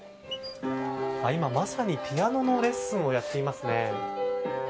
今まさにピアノのレッスンをやっていますね。